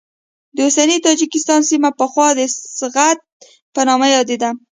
د اوسني تاجکستان سیمه پخوا د سغد په نامه یادېده.